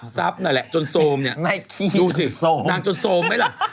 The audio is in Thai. ซับนั่นแหละจนโซมเนี่ยดูสินางจนโซมไหมละ